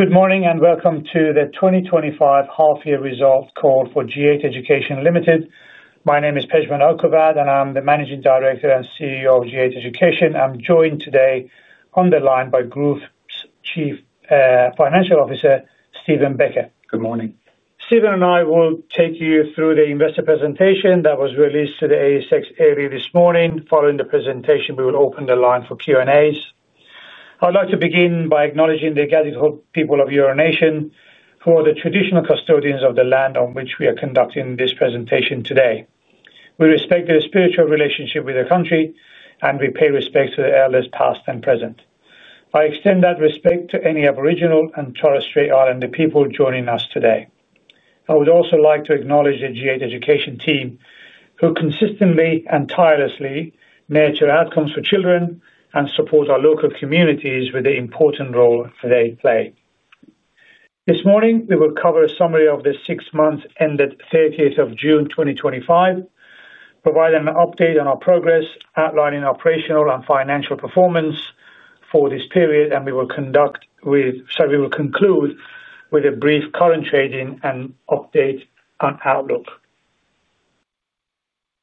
Good morning and welcome to the 2025 Half Year Results Call for G8 Education Limited. My name is Pejman Okhovat and I'm the Managing Director and CEO of G8 Education. I'm joined today on the line by Chief Financial Officer Steven Becker. Good morning. Steven, I will take you through the investor presentation that was released to the ASX this morning. Following the presentation, we will open the line for Q&A. I'd like to begin by acknowledging the Gadigal people of the Eora Nation who are the traditional custodians of the land on which we are conducting this presentation today. We respect their spiritual relationship with the country, and we pay respect to the elders past and present. I extend that respect to any Aboriginal and Torres Strait Islander people joining us today. I would also like to acknowledge the G8 Education team who consistently and tirelessly nurture outcomes for children and support our local communities with the important role they play. This morning, we will cover a summary of the six months ended 30th of June 2025, provide an update on our progress, outlining operational and financial performance for this period, and we will conclude with a brief current trading and update on outlook.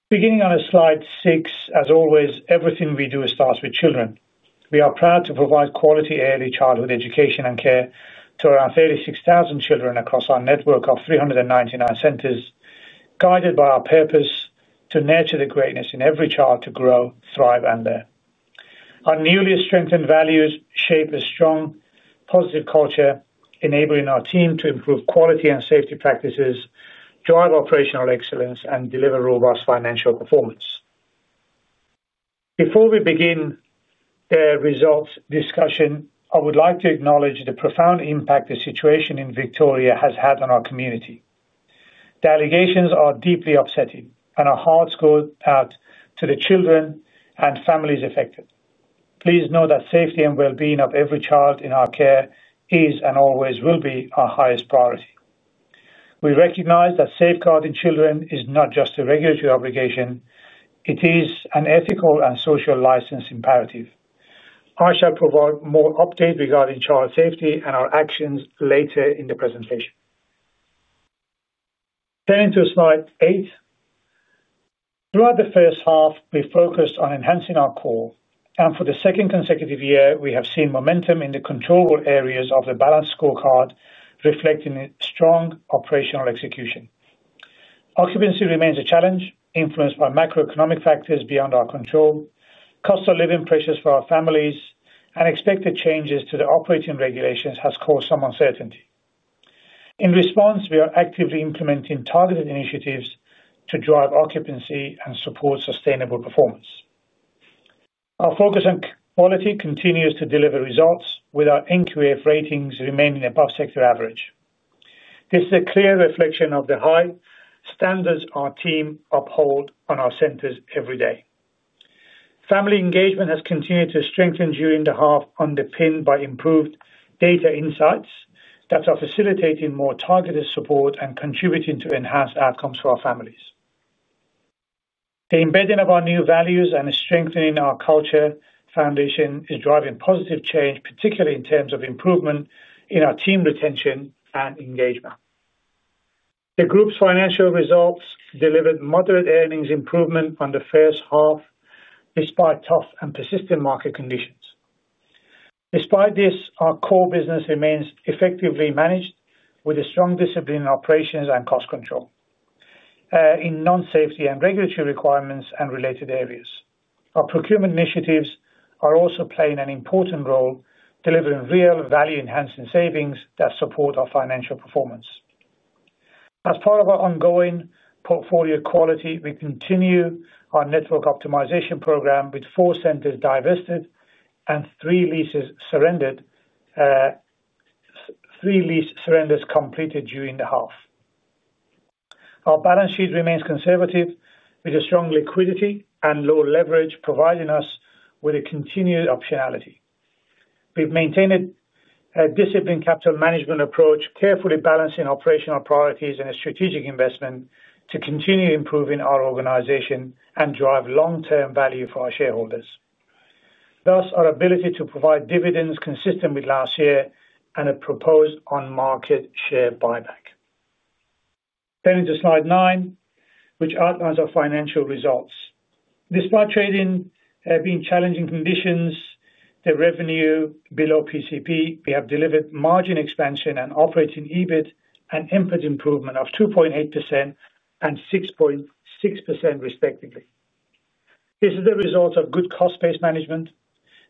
Beginning on slide six, as always, everything we do starts with children. We are proud to provide quality early childhood education and care to around 36,000 children across our network of 399 centers, guided by our purpose to nurture the greatness in every child to grow, thrive, and learn. Our newly strengthened values shape a strong, positive culture, enabling our team to improve quality and safety practices, drive operational excellence, and deliver robust financial performance. Before we begin the results discussion, I would like to acknowledge the profound impact the situation in Victoria has had on our community. The allegations are deeply upsetting and our hearts go out to the children and families affected. Please know that safety and well-being of every child in our care is and always will be our highest priority. We recognize that safeguarding children is not just a regulatory obligation, it is an ethical and social license imperative. I shall provide more updates regarding child safety and our actions later in the presentation. Turning to slide eight, throughout the first half, we focused on enhancing our core, and for the second consecutive year, we have seen momentum in the controllable areas of the balanced scorecard, reflecting strong operational execution. Occupancy remains a challenge influenced by macro-economic factors beyond our control. Cost of living pressures for our families and expected changes to the operating regulations have caused some uncertainty. In response, we are actively implementing targeted initiatives to drive occupancy and support sustainable performance. Our focus on quality continues to deliver results, with our NQF ratings remaining above sector average. This is a clear reflection of the high standards our team uphold in our centers every day. Family engagement has continued to strengthen during the half, underpinned by improved data insights that are facilitating more targeted support and contributing to enhanced outcomes for our families. The embedding of our new values and strengthening our culture foundation is driving positive change, particularly in terms of improvement in our team retention and engagement. The group's financial results delivered moderate earnings improvement on the first half, despite tough and persistent market conditions. Despite this, our core business remains effectively managed with a strong discipline in operations and cost control, in non-safety and regulatory requirements and related areas. Our procurement initiatives are also playing an important role, delivering real value-enhancing savings that support our financial performance. As part of our ongoing portfolio quality, we continue our network optimization program with four centers divested and three lease surrenders completed during the half. Our balance sheet remains conservative with strong liquidity and low leverage, providing us with continued optionality. We've maintained a disciplined capital management approach, carefully balancing operational priorities and strategic investment to continue improving our organization and drive long-term value for our shareholders. Thus, our ability to provide dividends is consistent with last year and a proposed on-market share buyback. Turning to slide nine, which outlines our financial results. Despite trading in challenging conditions, the revenue below PCP, we have delivered margin expansion and operating EBIT and NPAT improvement of 2.8% and 6.6% respectively. This is the result of good cost-based management,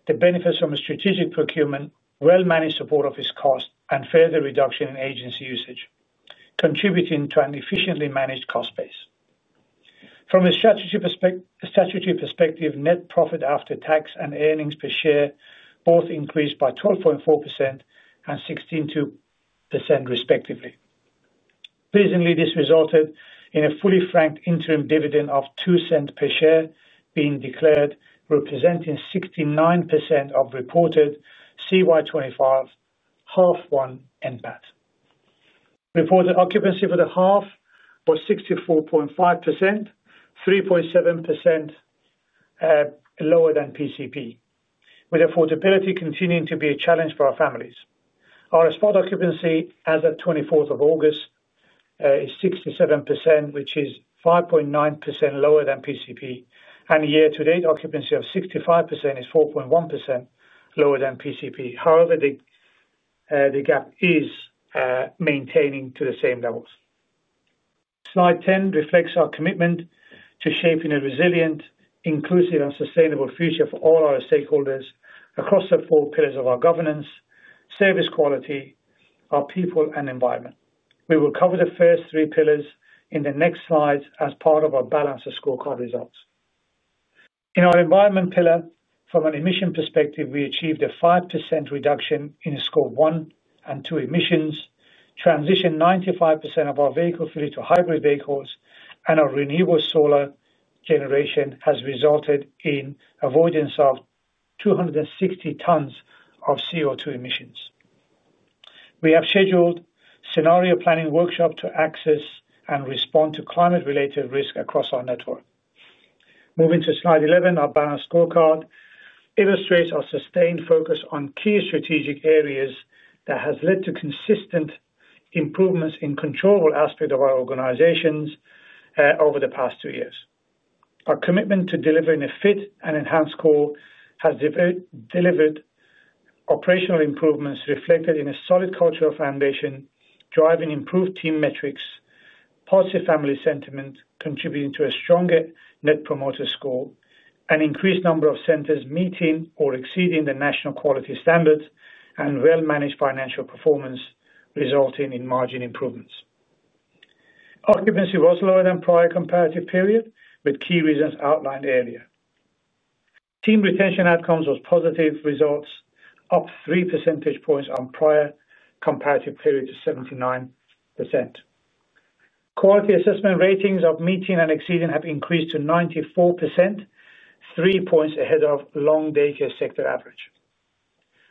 the benefits from strategic procurement, well-managed support of this cost, and further reduction in agency usage, contributing to an efficiently managed cost base. From a statutory perspective, net profit after tax and earnings per share both increased by 12.4% and 16.2% respectively. Pleasingly, this resulted in a fully franked interim dividend of 0.02 per share being declared, representing 69% of reported CY 2025 half one NPAT. Reported occupancy for the half was 64.5%, 3.7% lower than PCP, with affordability continuing to be a challenge for our families. Our spot occupancy as of 24th of August is 67%, which is 5.9% lower than PCP, and year-to-date occupancy of 65% is 4.1% lower than PCP. However, the gap is maintaining to the same levels. Slide 10 reflects our commitment to shaping a resilient, inclusive, and sustainable future for all our stakeholders across the four pillars of our governance, service quality, our people, and environment. We will cover the first three pillars in the next slides as part of our balanced scorecard results. In our environment pillar, from an emission perspective, we achieved a 5% reduction in Scope 1 and 2 emissions, transitioned 95% of our vehicle fleet to hybrid vehicles, and our renewable solar generation has resulted in the avoidance of 260 tons of CO₂ emissions. We have scheduled a scenario planning workshop to assess and respond to climate-related risks across our network. Moving to slide 11, our balanced scorecard illustrates our sustained focus on key strategic areas that has led to consistent improvements in control aspects of our organization over the past two years. Our commitment to delivering a fit and enhanced core has delivered operational improvements reflected in a solid cultural foundation, driving improved team metrics, positive family sentiment, contributing to a stronger Net Promoter Score, and increased number of centers meeting or exceeding the national quality standards and well-managed financial performance, resulting in margin improvements. Occupancy was lower than prior comparative period, with key reasons outlined earlier. Team retention outcomes were positive results, up three percentage points on prior comparative period to 79%. Quality assessment ratings of meeting and exceeding have increased to 94%, three points ahead of long daycare sector average.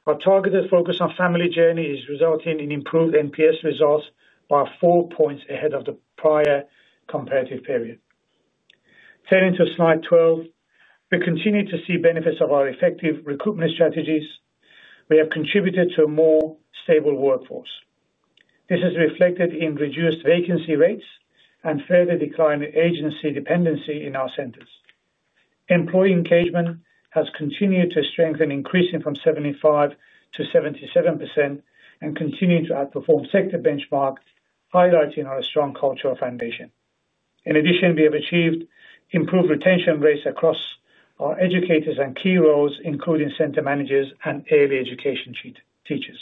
Our targeted focus on family journey is resulting in improved NPS results by four points ahead of the prior comparative period. Turning to slide 12, we continue to see benefits of our effective recruitment strategies. We have contributed to a more stable workforce. This is reflected in reduced vacancy rates and further declining agency dependency in our centers. Employee engagement has continued to strengthen, increasing from 75% to 77% and continuing to outperform sector benchmarks, highlighting our strong cultural foundation. In addition, we have achieved improved retention rates across our educators and key roles, including center managers and early education teachers.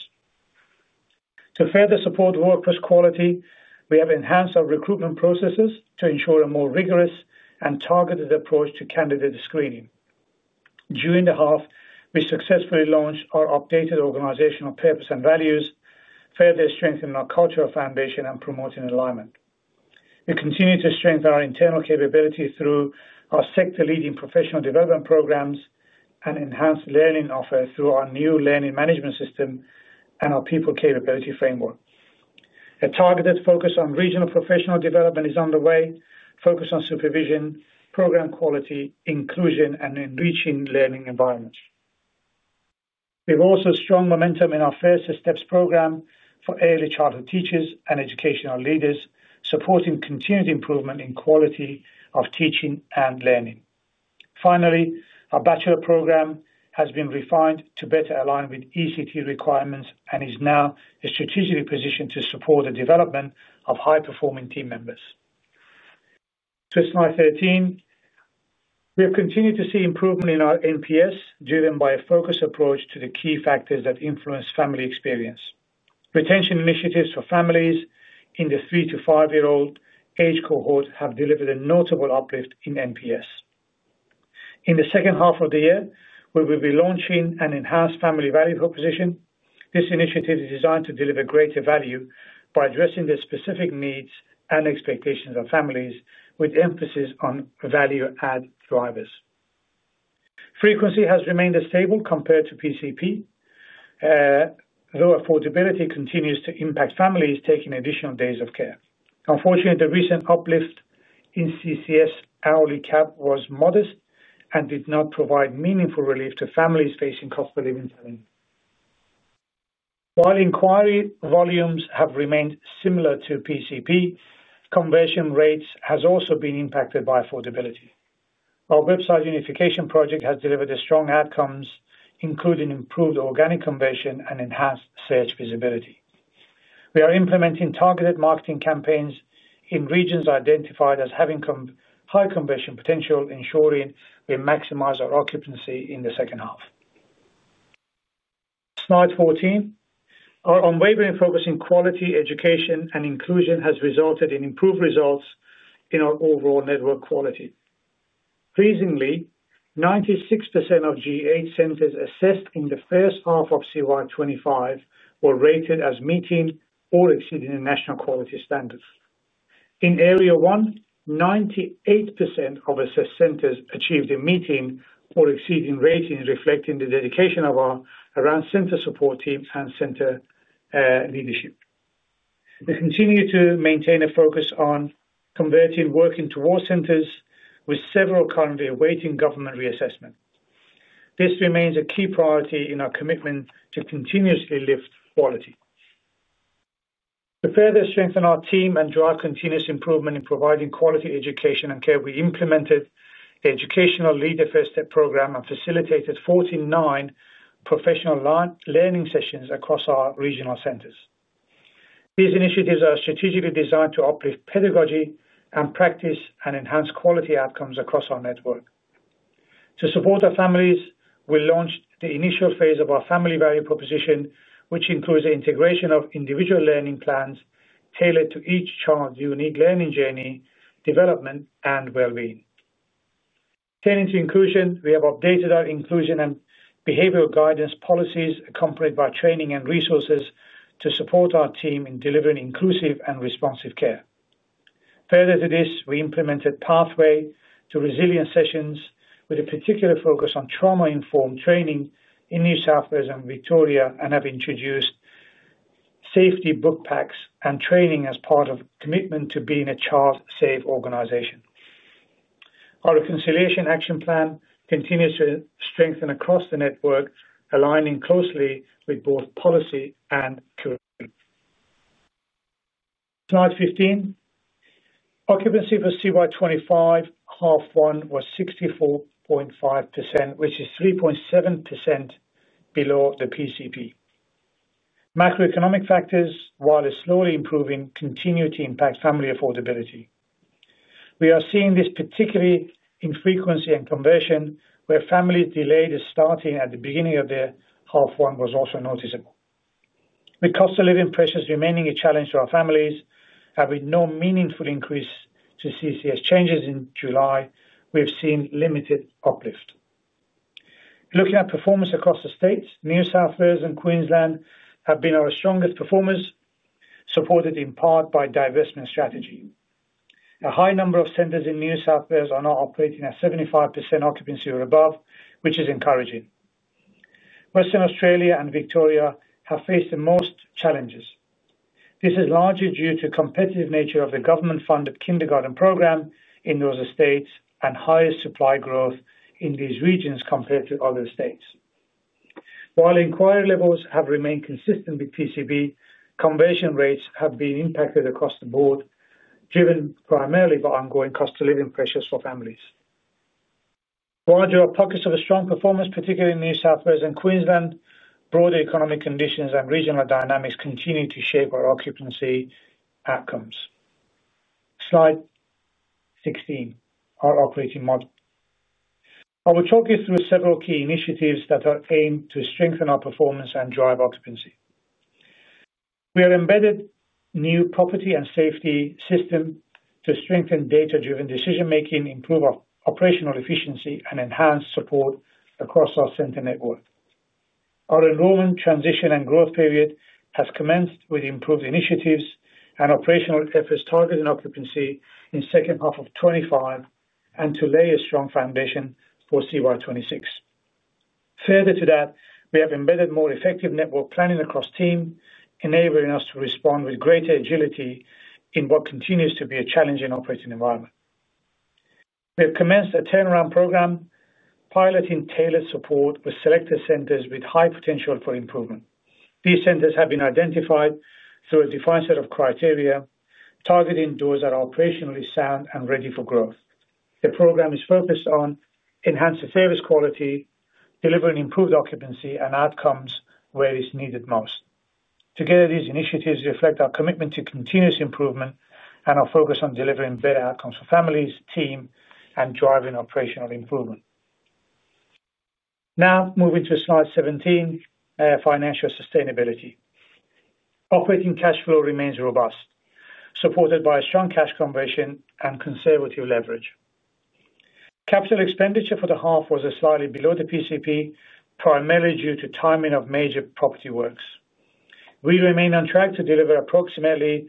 To further support workforce quality, we have enhanced our recruitment processes to ensure a more rigorous and targeted approach to candidate screening. During the half, we successfully launched our updated organizational purpose and values, further strengthening our cultural foundation and promoting alignment. We continue to strengthen our internal capability through our sector-leading professional development programs and enhanced learning offered through our new learning management system and our people capability framework. A targeted focus on regional professional development is underway, focused on supervision, program quality, inclusion, and enriching learning environments. We've also seen strong momentum in our First Steps program for early childhood teachers and educational leaders, supporting continued improvement in quality of teaching and learning. Finally, our bachelor program has been refined to better align with ECT requirements and is now strategically positioned to support the development of high-performing team members. To slide 13, we have continued to see improvement in our NPS, driven by a focused approach to the key factors that influence family experience. Retention initiatives for families in the three to five-year-old age cohort have delivered a notable uplift in NPS. In the second half of the year, we will be launching an enhanced family value proposition. This initiative is designed to deliver greater value by addressing the specific needs and expectations of families, with emphasis on value-add drivers. Frequency has remained stable compared to PCP, though affordability continues to impact families taking additional days of care. Unfortunately, the recent uplift in CCS hourly cap was modest and did not provide meaningful relief to families facing cost of living challenges. While inquiry volumes have remained similar to PCP, conversion rates have also been impacted by affordability. Our website unification project has delivered strong outcomes, including improved organic conversion and enhanced search visibility. We are implementing targeted marketing campaigns in regions identified as having high conversion potential, ensuring we maximize our occupancy in the second half. Slide 14, our unwavering focus on quality education and inclusion has resulted in improved results in our overall network quality. Pleasingly, 96% of G8 Education Limited centers assessed in the first half of CY 2025 were rated as meeting or exceeding the national quality standards. In Area 1, 98% of assessed centers achieved a meeting or exceeding rating, reflecting the dedication of our around center support teams and center leadership. We continue to maintain a focus on converting working towards centers, with several currently awaiting government reassessment. This remains a key priority in our commitment to continuously lift quality. To further strengthen our team and drive continuous improvement in providing quality education and care, we implemented the educational leader First Step program and facilitated 49 professional learning sessions across our regional centers. These initiatives are strategically designed to uplift pedagogy and practice and enhance quality outcomes across our network. To support our families, we launched the initial phase of our family value proposition, which includes the integration of individual learning plans tailored to each child's unique learning journey, development, and well-being. Turning to inclusion, we have updated our inclusion and behavioral guidance policies, accompanied by training and resources to support our team in delivering inclusive and responsive care. Further to this, we implemented Pathway-to-Resilience sessions with a particular focus on trauma-informed training in New South Wales and Victoria, and have introduced safety book packs and training as part of a commitment to being a child-safe organization. Our reconciliation action plan continues to strengthen across the network, aligning closely with both policy and curriculum. Slide 15, occupancy for CY 2025 half one was 64.5%, which is 3.7% below the PCP. Macro-economic factors, while slowly improving, continue to impact family affordability. We are seeing this particularly in frequency and conversion, where families delayed starting at the beginning of their half one was also noticeable. With cost of living pressures remaining a challenge to our families, having no meaningful increase to CCS changes in July, we've seen limited uplift. Looking at performance across the states, New South Wales and Queensland have been our strongest performers, supported in part by divestment strategy. A high number of centers in New South Wales are now operating at 75% occupancy or above, which is encouraging. Western Australia and Victoria have faced the most challenges. This is largely due to the competitive nature of the government-funded kindergarten program in those states and higher supply growth in these regions compared to other states. While inquiry levels have remained consistent with PCP, conversion rates have been impacted across the board, driven primarily by ongoing cost of living pressures for families. While there are pockets of a strong performance, particularly in New South Wales and Queensland, broader economic conditions and regional dynamics continue to shape our occupancy outcomes. Slide 16, our operating model. I will talk you through several key initiatives that aim to strengthen our performance and drive occupancy. We have embedded new property and safety systems to strengthen data-driven decision-making, improve operational efficiency, and enhance support across our center network. Our enrollment, transition, and growth period has commenced with improved initiatives and operational efforts targeting occupancy in the second half of 2025 and to lay a strong foundation for CY 2026. Further to that, we have embedded more effective network planning across teams, enabling us to respond with greater agility in what continues to be a challenging operating environment. We have commenced a turnaround program, piloting tailored support with selected centers with high potential for improvement. These centers have been identified through a defined set of criteria, targeting those that are operationally sound and ready for growth. The program is focused on enhancing service quality, delivering improved occupancy, and outcomes where it's needed most. Together, these initiatives reflect our commitment to continuous improvement and our focus on delivering better outcomes for families, teams, and driving operational improvement. Now moving to slide 17, financial sustainability. Operating cash flow remains robust, supported by a strong cash conversion and conservative leverage. Capital expenditure for the half was slightly below the PCP, primarily due to timing of major property works. We remain on track to deliver approximately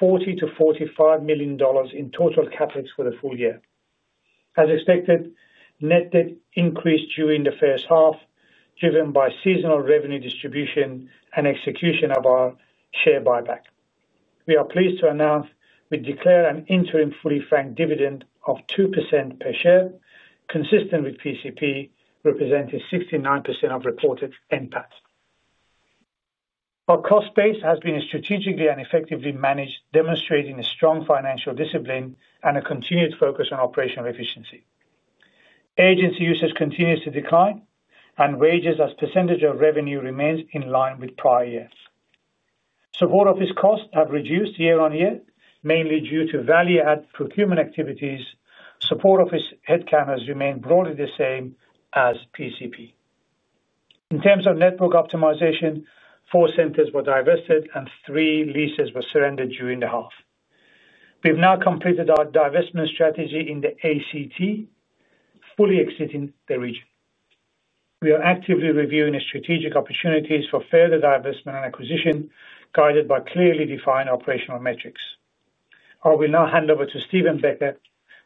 40 million- 45 million dollars in total CapEx for the full year. As expected, net debt increased during the first half, driven by seasonal revenue distribution and execution of our share buyback. We are pleased to announce we declare an interim fully franked dividend of 2% per share, consistent with PCP, representing 69% of reported NPAT. Our cost base has been strategically and effectively managed, demonstrating a strong financial discipline and a continued focus on operational efficiency. Agency usage continues to decline, and wages as a percentage of revenue remain in line with prior years. Support office costs have reduced year-on-year, mainly due to value-add procurement activities. Support office headcount has remained broadly the same as PCP. In terms of network optimization, four centers were divested and three leases were surrendered during the half. We've now completed our divestment strategy in the ACT, fully exiting the region. We are actively reviewing strategic opportunities for further divestment and acquisition, guided by clearly defined operational metrics. I will now hand over to Steven Becker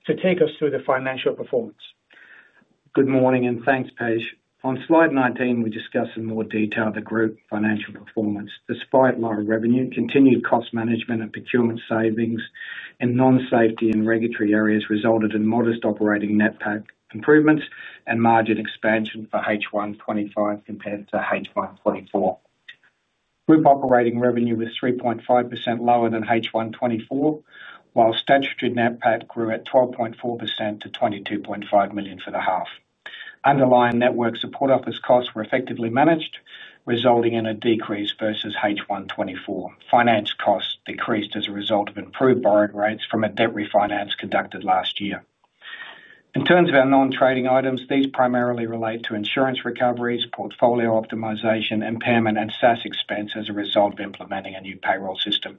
to take us through the financial performance. Good morning and thanks, Pej. On slide 19, we discuss in more detail the group financial performance. Despite lower revenue, continued cost management and procurement savings in non-safety and regulatory areas resulted in modest operating NPAT improvements and margin expansion for H1 2025 compared to H1 2024. Group operating revenue was 3.5% lower than H1 2024, while statutory NPAT grew at 12.4% to 22.5 million for the half. Underlying network support office costs were effectively managed, resulting in a decrease versus H1 2024. Finance costs decreased as a result of improved borrowing rates from a debt refinance conducted last year. In terms of our non-trading items, these primarily relate to insurance recoveries, portfolio optimization, impairment, and SaaS expense as a result of implementing a new payroll system.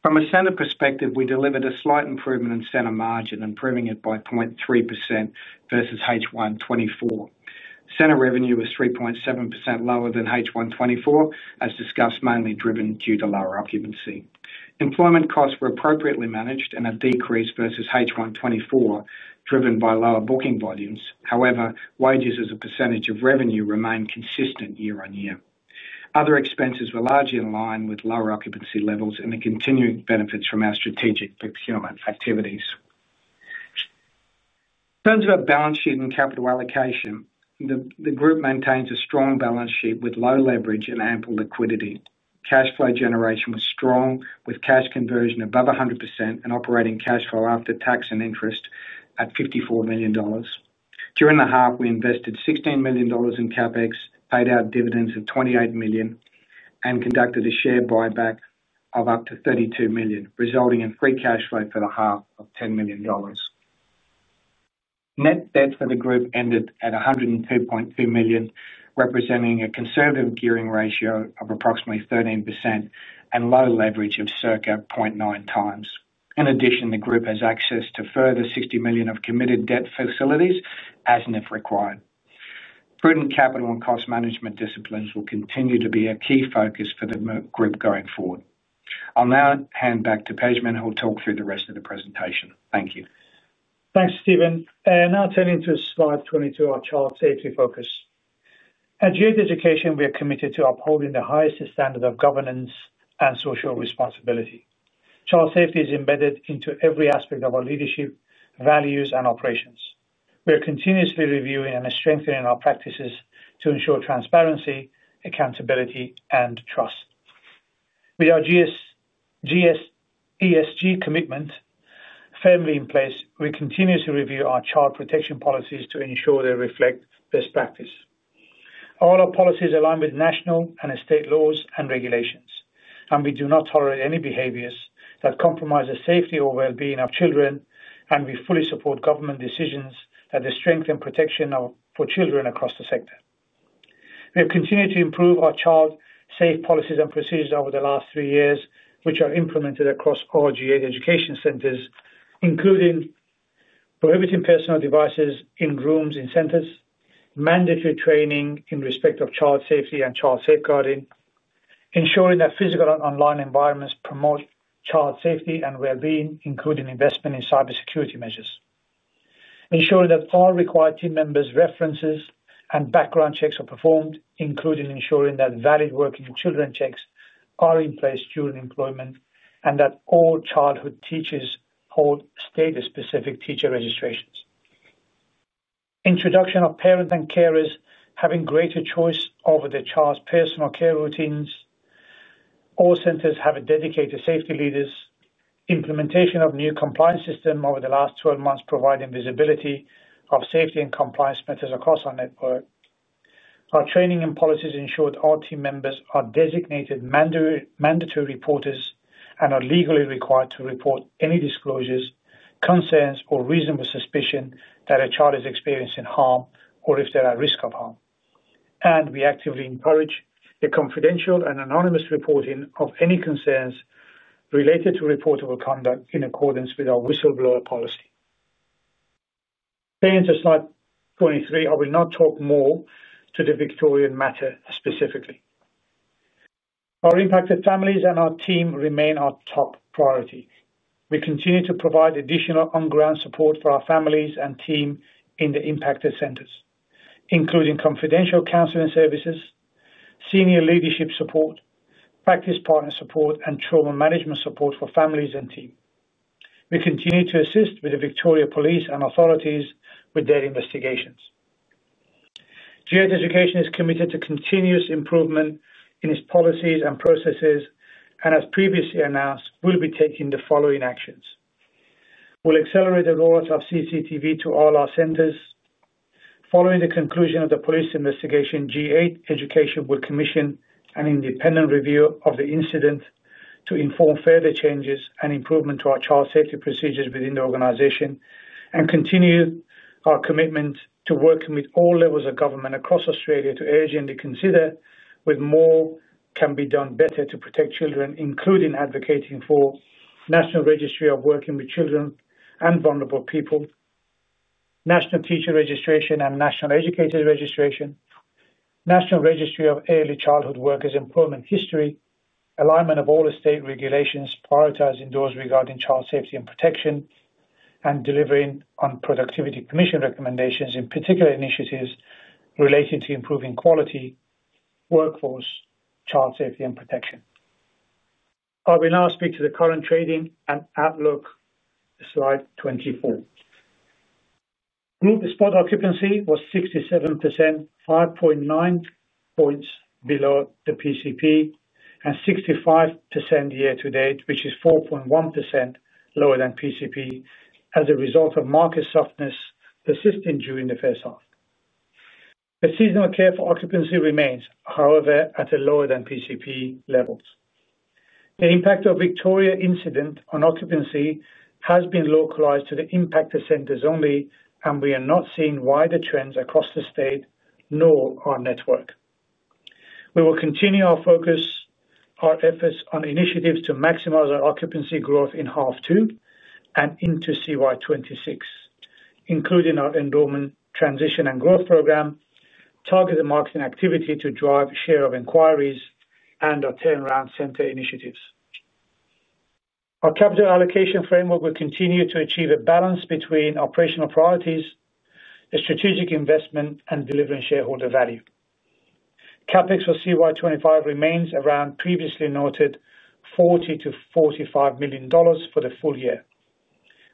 From a center perspective, we delivered a slight improvement in center margin, improving it by 0.3% versus H1 2024. Center revenue was 3.7% lower than H1 2024, as discussed, mainly driven due to lower occupancy. Employment costs were appropriately managed and have decreased versus H1 2024, driven by lower booking volumes. However, wages as a percentage of revenue remain consistent year-on-year. Other expenses were largely in line with lower occupancy levels and the continued benefits from our strategic procurement activities. In terms of our balance sheet and capital allocation, the group maintains a strong balance sheet with low leverage and ample liquidity. Cash flow generation was strong, with cash conversion above 100% and operating cash flow after tax and interest at 54 million dollars. During the half, we invested 16 million dollars in CapEx, paid out dividends of 28 million, and conducted a share buyback of up to 32 million, resulting in free cash flow for the half of 10 million dollars. Net debt for the group ended at 102.2 million, representing a conservative gearing ratio of approximately 13% and low leverage of circa 0.9x. In addition, the group has access to further 60 million of committed debt facilities as and if required. Prudent capital and cost management disciplines will continue to be a key focus for the group going forward. I'll now hand back to Pejman, who will talk through the rest of the presentation. Thank you. Thanks, Steven. Now turning to slide 22, our child safety focus. At G8 Education, we are committed to upholding the highest standard of governance and social responsibility. Child safety is embedded into every aspect of our leadership, values, and operations. We are continuously reviewing and strengthening our practices to ensure transparency, accountability, and trust. With our GS ESG commitment firmly in place, we continue to review our child protection policies to ensure they reflect best practice. All our policies align with national and state laws and regulations, and we do not tolerate any behaviors that compromise the safety or well-being of children, and we fully support government decisions that strengthen protection for children across the sector. We have continued to improve our child safe policies and procedures over the last three years, which are implemented across all G8 Education centers, including prohibiting personal devices in rooms in centers, mandatory training in respect of child safety and child safeguarding, ensuring that physical and online environments promote child safety and well-being, including investment in cybersecurity measures, ensuring that all required team members' references and background checks are performed, including ensuring that valid working children checks are in place during employment and that all childhood teachers hold status-specific teacher registrations. Introduction of parents and carers having greater choice over the child's personal care routines. All centers have dedicated safety leaders. Implementation of new compliance systems over the last 12 months provided visibility of safety and compliance methods across our network. Our training and policies ensure that all team members are designated mandatory reporters and are legally required to report any disclosures, concerns, or reasonable suspicion that a child is experiencing harm or if they're at risk of harm. We actively encourage the confidential and anonymous reporting of any concerns related to reportable conduct in accordance with our whistleblower policy. Turning to slide 23, I will now talk more to the Victorian matter specifically. Our impacted families and our team remain our top priority. We continue to provide additional on-ground support for our families and team in the impacted centers, including confidential counseling services, senior-leadership support, practice-partner support, and trauma management support for families and team. We continue to assist with the Victoria Police and authorities with their investigations. G8 Education is committed to continuous improvement in its policies and processes and, as previously announced, will be taking the following actions. We'll accelerate the rollout of CCTV to all our centers. Following the conclusion of the police investigation, G8 Education will commission an independent review of the incident to inform further changes and improvement to our child safety procedures within the organization and continue our commitment to working with all levels of government across Australia to urgently consider what more can be done better to protect children, including advocating for the National Registry of Working with Children and Vulnerable People, National Teacher Registration, and National Educator Registration, National Registry of Early Childhood Workers' Employment History, alignment of all state regulations, prioritizing those regarding child safety and protection, and delivering on Productivity Commission recommendations, in particular initiatives relating to improving quality workforce child safety and protection. I will now speak to the current trading and outlook slide 24. Group Spot occupancy was 67%, 5.9 points below the PCP, and 65% year-to-date, which is 4.1% lower than PCP as a result of market softness persisting during the first half. The seasonal care for occupancy remains, however, at a lower than PCP level. The impact of the Victoria incident on occupancy has been localized to the impacted centers only, and we are not seeing wider trends across the state nor our network. We will continue our focus, our efforts on initiatives to maximize our occupancy growth in half two and into CY 2026, including our endowment transition and growth program, targeted marketing activity to drive share of inquiries, and our turnaround center initiatives. Our capital allocation framework will continue to achieve a balance between operational priorities, strategic investment, and delivering shareholder value. CapEx for CY 2025 remains around previously noted 40 million-45 million dollars for the full year.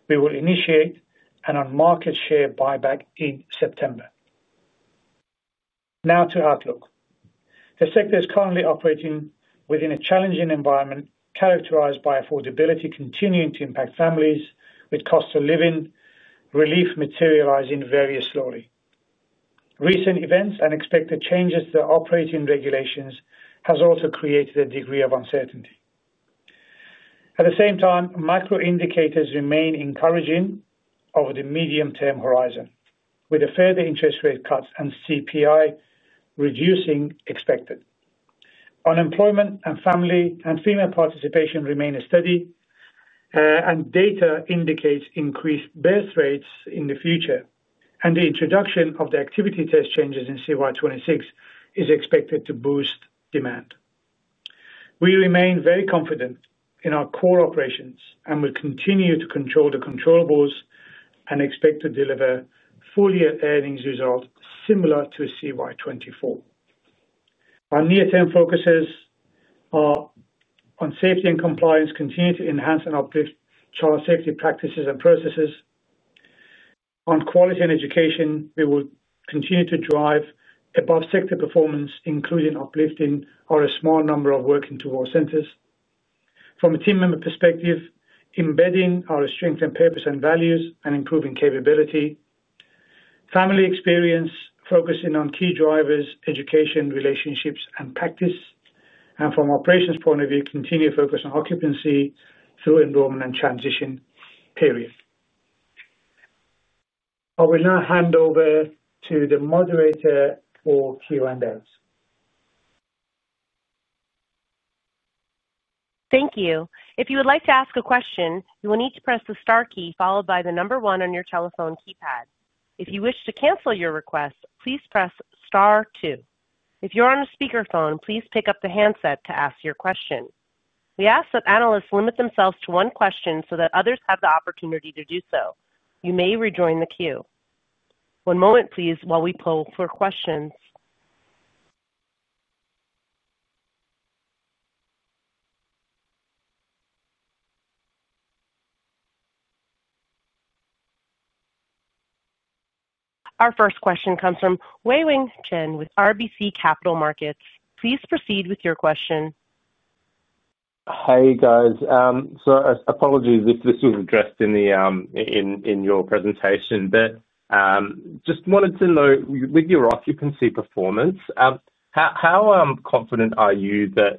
We will initiate an on-market share buyback in September. Now to outlook. The sector is currently operating within a challenging environment, characterized by affordability continuing to impact families, with cost of living relief materializing very slowly. Recent events and expected changes to operating regulations have also created a degree of uncertainty. At the same time, macro-economic indicators remain encouraging over the medium-term horizon, with further interest rate cuts and CPI reducing expected. Unemployment and family and female participation remain steady, and data indicates increased birth rates in the future, and the introduction of the activity test changes in CY 2026 is expected to boost demand. We remain very confident in our core operations and will continue to control the controllables and expect to deliver full-year earnings results similar to CY 2024. Our near-term focuses are on safety and compliance, continuing to enhance and uplift child safety practices and processes. On quality and education, we will continue to drive above sector performance, including uplifting our small number of working towards centers. From a team member perspective, embedding our strength and purpose and values and improving capability. Family experience, focusing on key drivers, education, relationships, and practice. From an operations point of view, continue to focus on occupancy through enrollment and transition period. I will now hand over to the moderator for Q&A. Thank you. If you would like to ask a question, you will need to press the star key followed by the number one on your telephone keypad. If you wish to cancel your request, please press star two. If you're on a speakerphone, please pick up the handset to ask your question. We ask that analysts limit themselves to one question so that others have the opportunity to do so. You may rejoin the queue. One moment, please, while we poll for questions. Our first question comes from Wei-Weng Chen with RBC Capital Markets. Please proceed with your question. Apologies if this was addressed in your presentation, but just wanted to know, with your occupancy performance, how confident are you that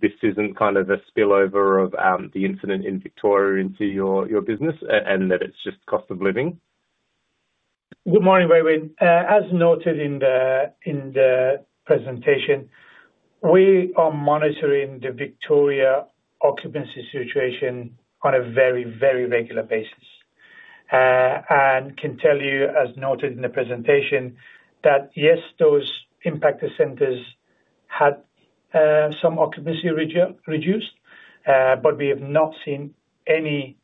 this isn't kind of a spillover of the incident in Victoria into your business and that it's just cost of living? Good morning, Wei-Weng. As noted in the presentation, we are monitoring the Victoria occupancy situation on a very, very regular basis and can tell you, as noted in the presentation, that yes, those impacted centers had some occupancy reduced, but we have not seen any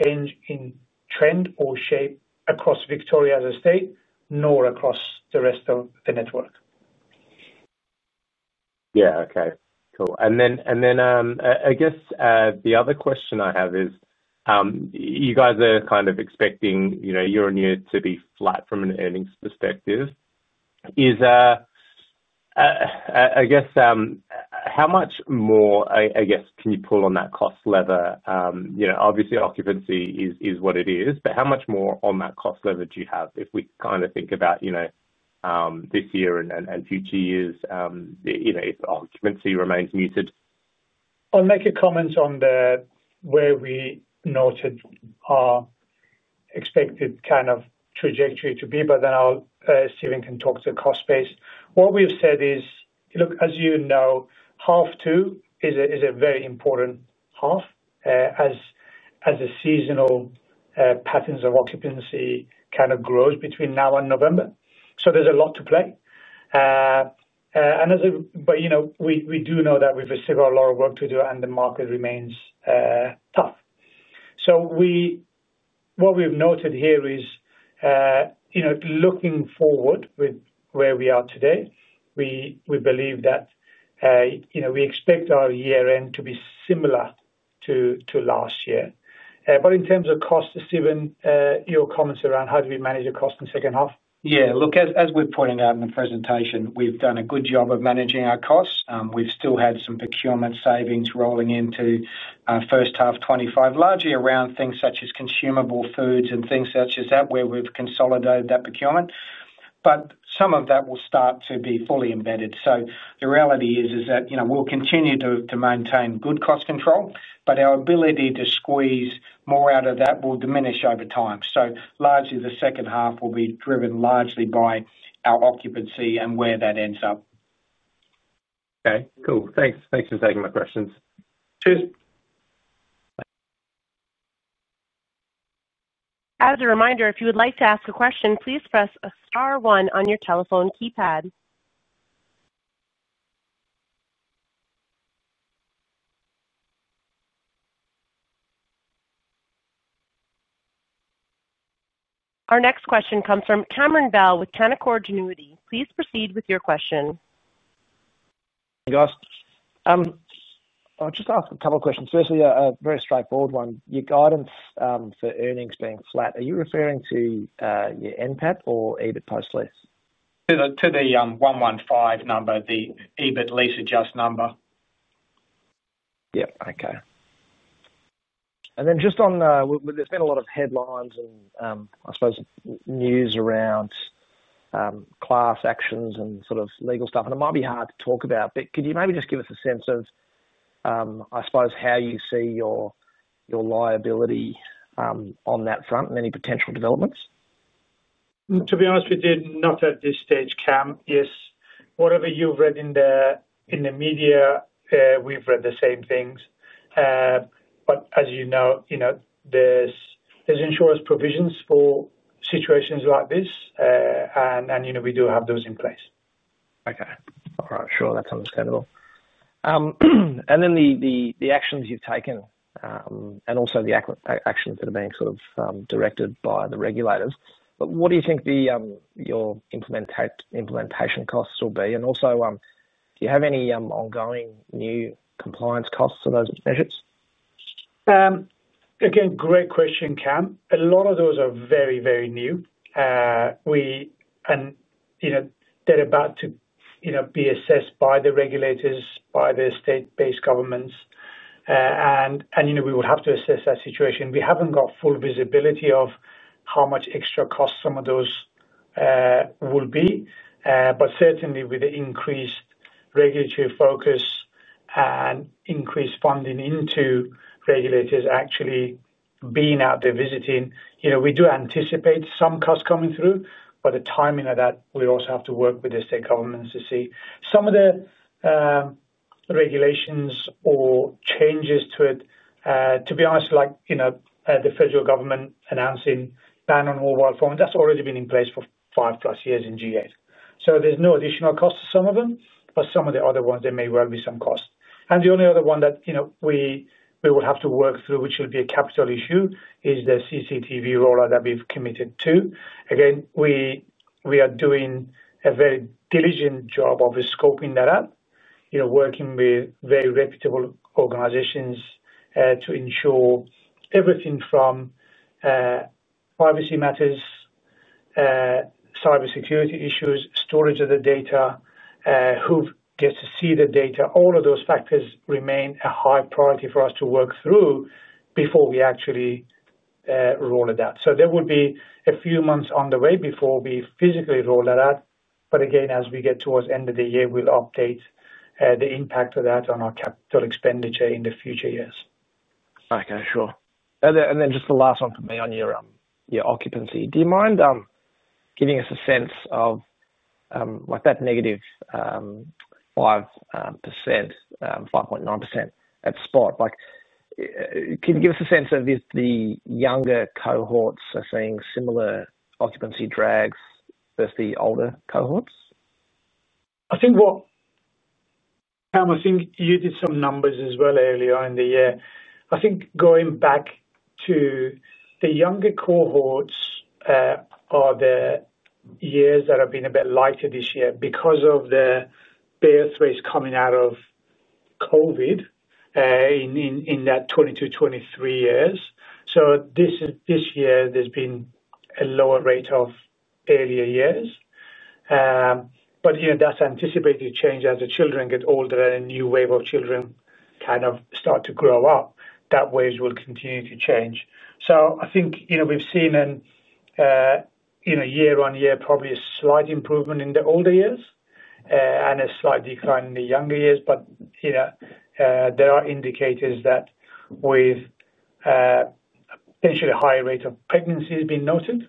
change in trend or shape across Victoria as a state, nor across the rest of the network. Okay, cool. I guess the other question I have is you guys are kind of expecting your year-on-year to be flat from an earnings perspective. I guess how much more can you pull on that cost lever? Obviously, occupancy is what it is, but how much more on that cost lever do you have if we kind of think about this year and future years, if occupancy remains muted? I'll make a comment on where we noted our expected kind of trajectory to be, but then Steven can talk to the cost base. What we've said is, look, as you know, half two is a very important half as the seasonal patterns of occupancy kind of grow between now and November. There's a lot to play. We do know that we've still got a lot of work to do and the market remains tough. What we've noted here is, looking forward with where we are today, we believe that we expect our year-end to be similar to last year. In terms of cost, Steven, your comments around how do we manage the cost in the second half? Yeah, look, as we're pointing out in the presentation, we've done a good job of managing our costs. We've still had some procurement savings rolling into our first half 2025, largely around things such as consumable foods and things such as that, where we've consolidated that procurement. Some of that will start to be fully embedded. The reality is that, you know, we'll continue to maintain good cost control, but our ability to squeeze more out of that will diminish over time. Largely, the second half will be driven largely by our occupancy and where that ends up. Okay, cool. Thanks. Thanks for taking my questions. As a reminder, if you would like to ask a question, please press star one on your telephone keypad. Our next question comes from Cameron Bell with Canaccord Genuity. Please proceed with your question. Hey, guys. I'll just ask a couple of questions. Firstly, a very straightforward one. Your guidance for earnings being flat, are you referring to your NPAT or EBIT post lease? To the 115 million number, the EBIT lease adjust number. Okay. There's been a lot of headlines and I suppose news around class actions and sort of legal stuff. It might be hard to talk about, but could you maybe just give us a sense of how you see your liability on that front and any potential developments? To be honest, we did not have this stage, Cam. Yes, whatever you've read in the media, we've read the same things. As you know, there's insurance provisions for situations like this, and we do have those in place. Okay, that's understandable. The actions you've taken and also the actions that are being sort of directed by the regulators, what do you think your implementation costs will be? Also, do you have any ongoing new compliance costs for those measures? Great question, Cam. A lot of those are very, very new. They're about to be assessed by the regulators, by the state-based governments. We would have to assess that situation. We haven't got full visibility of how much extra cost some of those will be, but certainly with the increased regulatory focus and increased funding into regulators actually being out there visiting, we do anticipate some costs coming through. The timing of that, we also have to work with the state governments to see some of the regulations or changes to it. To be honest, the federal government announcing ban on mobile phones, that's already been in place for five plus years in G8. There's no additional cost to some of them, but some of the other ones, there may well be some cost. The only other one that we will have to work through, which will be a capital issue, is the CCTV rollout that we've committed to. We are doing a very diligent job of scoping that up, working with very reputable organizations to ensure everything from privacy matters, cybersecurity issues, storage of the data, who gets to see the data, all of those factors remain a high priority for us to work through before we actually roll it out. There will be a few months on the way before we physically roll that out. As we get towards the end of the year, we'll update the impact of that on our capital expenditure in the future years. Okay, sure. Just the last one for me on your occupancy. Do you mind giving us a sense of that -5.9% at spot? Can you give us a sense of if the younger cohorts are seeing similar occupancy drags versus the older cohorts? I think, Cam, you did some numbers as well earlier in the year. I think going back to the younger cohorts are the years that have been a bit lighter this year because of the birth rates coming out of COVID in 2022, 2023. This year, there's been a lower rate of earlier years. You know, that's anticipated to change as the children get older and a new wave of children kind of start to grow up. That wave will continue to change. I think we've seen in a year-on-year probably a slight improvement in the older years and a slight decline in the younger years. You know, there are indicators that with potentially a higher rate of pregnancy, as has been noted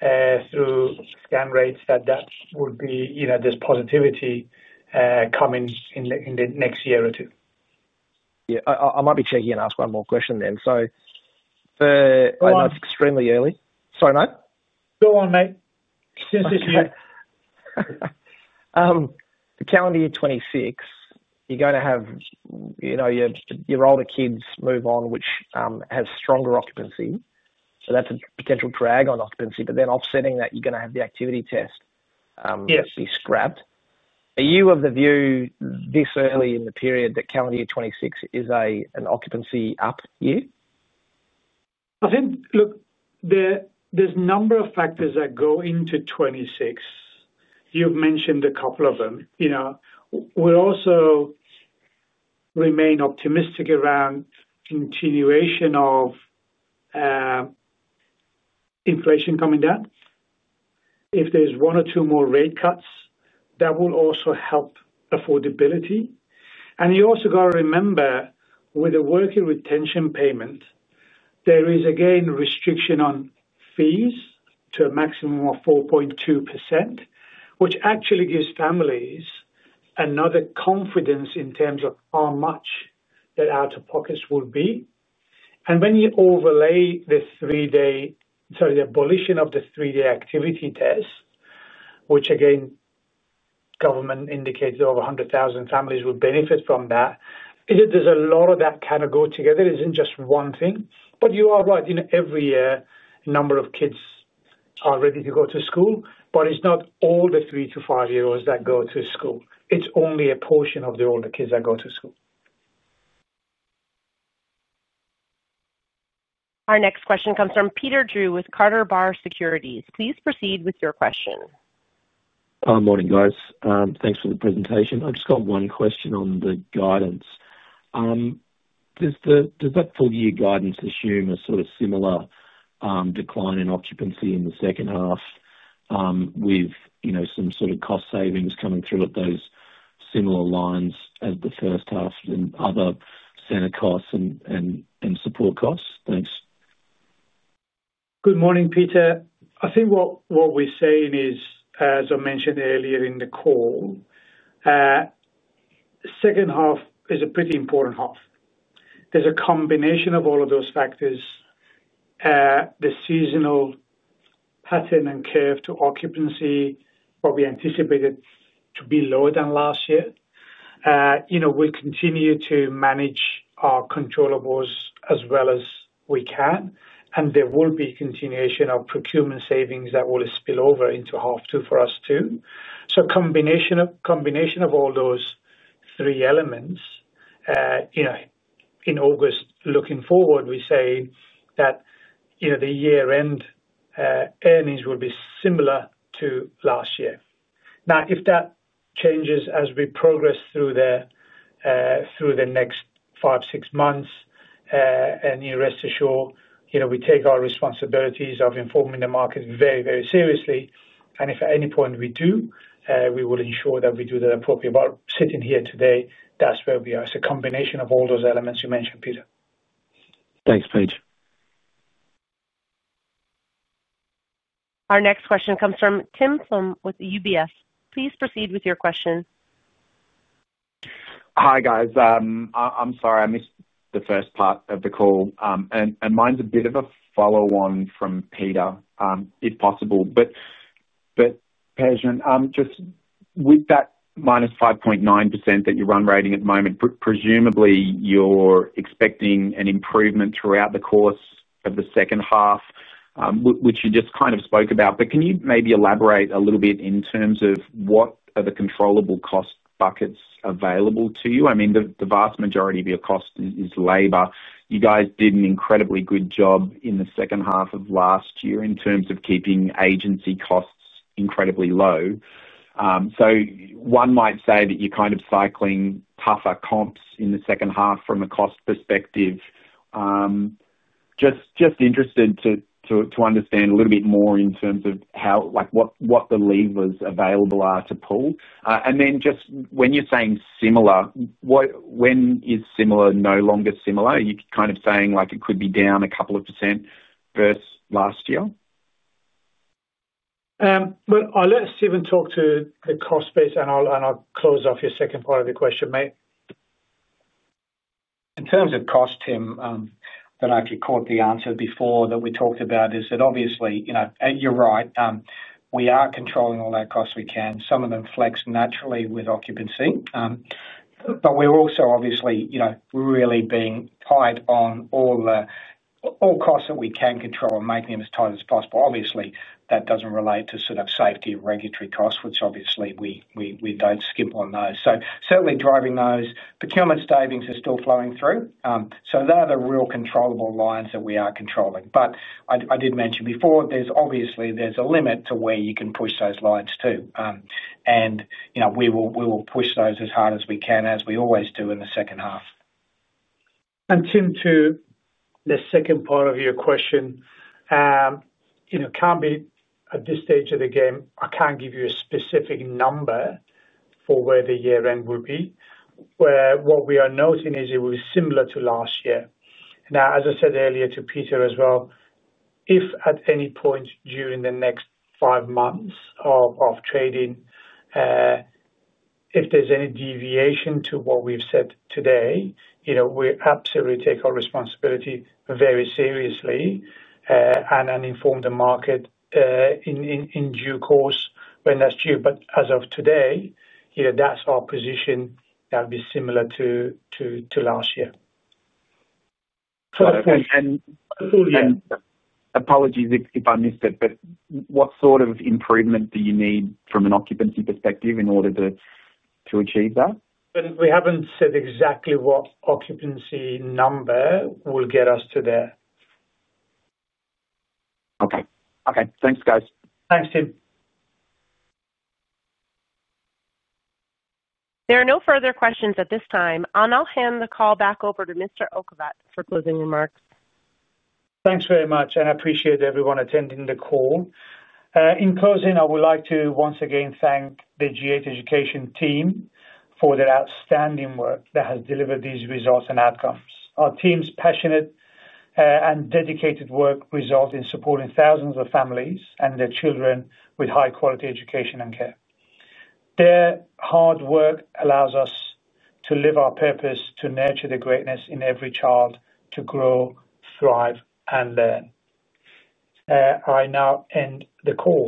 through scan rates, that would be, you know, there's positivity coming in the next year or two. I might be cheeky and ask one more question. That's extremely early. Sorry, mate. Go on, mate. The calendar year 2026, you're going to have your older kids move on, which has stronger occupancy. That's a potential drag on occupancy. Offsetting that, you're going to have the activity test be scrapped. Are you of the view this early in the period that calendar year 2026 is an occupancy up year? I think there's a number of factors that go into 2026. You've mentioned a couple of them. We'll also remain optimistic around the continuation of inflation coming down. If there's one or two more rate cuts, that will also help affordability. You also got to remember with the working retention payment, there is again restriction on fees to a maximum of 4.2%, which actually gives families another confidence in terms of how much their out-of-pockets will be. When you overlay the abolition of the three-day activity test, which again government indicated over 100,000 families would benefit from, there's a lot of that kind of go together. It isn't just one thing. You are right, every year a number of kids are ready to go to school, but it's not all the three to five-year-olds that go to school. It's only a portion of the older kids that go to school. Our next question comes from Peter Drew with Carter Bar Securities. Please proceed with your question. Morning, guys. Thanks for the presentation. I've just got one question on the guidance. Does that full-year guidance assume a sort of similar decline in occupancy in the second half, with some sort of cost savings coming through at those similar lines as the first half and other center costs and support costs? Thanks. Good morning, Peter. I think what we're saying is, as I mentioned earlier in the call, the second half is a pretty important half. There's a combination of all of those factors. The seasonal pattern and curve to occupancy where we anticipated to be lower than last year. We'll continue to manage our controllables as well as we can, and there will be continuation of procurement savings that will spill over into half two for us too. A combination of all those three elements, in August, looking forward, we're saying that the year-end earnings will be similar to last year. If that changes as we progress through the next five, six months, you rest assured, we take our responsibilities of informing the market very, very seriously. If at any point we do, we will ensure that we do the appropriate work. Sitting here today, that's where we are. It's a combination of all those elements you mentioned, Peter. Thanks, Pej. Our next question comes from Tim Plumbe with UBS. Please proceed with your question. Hi, guys. I'm sorry I missed the first part of the call. Mine's a bit of a follow-on from Peter, if possible. Pej, just with that minus 5.9% that you're run rating at the moment, presumably you're expecting an improvement throughout the course of the second half, which you just kind of spoke about. Can you maybe elaborate a little bit in terms of what are the controllable cost buckets available to you? I mean, the vast majority of your cost is labor. You guys did an incredibly good job in the second half of last year in terms of keeping agency costs incredibly low. One might say that you're kind of cycling tougher comps in the second half from a cost perspective. Just interested to understand a little bit more in terms of how, like, what the levers available are to pull. When you're saying similar, when is similar no longer similar? You're kind of saying like it could be down a couple of percent versus last year? I'll let Steven talk to the cost space, and I'll close off your second part of the question, mate. In terms of cost, Tim, that actually caught the answer before that we talked about is that obviously, you know, you're right. We are controlling all our costs we can. Some of them flex naturally with occupancy. We're also obviously, you know, really being tight on all the costs that we can control and making them as tight as possible. That doesn't relate to sort of safety or regulatory costs, which obviously we don't skimp on those. Certainly, driving those procurement savings are still flowing through. They are the real controllable lines that we are controlling. I did mention before, there's obviously a limit to where you can push those lines to. You know, we will push those as hard as we can, as we always do in the second half. And Tim, to the second part of your question, you know, can't be at this stage of the game, I can't give you a specific number for where the year-end will be. What we are noting is it will be similar to last year. As I said earlier to Peter as well, if at any point during the next five months of trading, if there's any deviation to what we've said today, you know, we absolutely take our responsibility very seriously and inform the market in due course when that's due. As of today, you know, that's our position that will be similar to last year. Apologies if I missed it, but what sort of improvement do you need from an occupancy perspective in order to achieve that? We haven't said exactly what occupancy number will get us to there. Okay. Okay. Thanks, guys. Thanks, Tim. There are no further questions at this time. I'll hand the call back over to Mr. Okhovat for closing remarks. Thanks very much, and I appreciate everyone attending the call. In closing, I would like to once again thank the G8 Education team for their outstanding work that has delivered these results and outcomes. Our team's passionate and dedicated work results in supporting thousands of families and their children with high-quality education and care. Their hard work allows us to live our purpose to nurture the greatness in every child to grow, thrive, and learn. I now end the call.